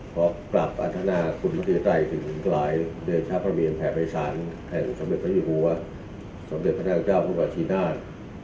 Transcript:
ขอปรับอาทนาคุณพระพิวไต้ถึงหลายเดือนชาติพระมียนต์แผ่ไพรศาลแห่งสำเร็จพระยิหูวะสำเร็จพระนาคตเจ้าพระบาทชีนาศ